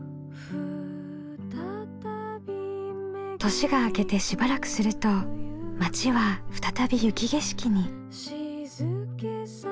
年が明けてしばらくすると町は再び雪景色に。